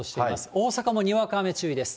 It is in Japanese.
大阪もにわか雨注意です。